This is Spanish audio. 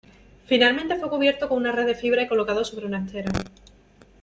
Finalmente fue cubierto con una red de fibra y colocado sobre una estera.